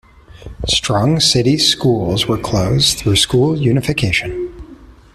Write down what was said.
Strong City schools were closed through school unification.